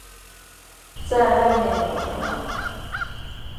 再外面有什么